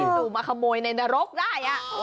สู่มาขโมยในนรกได้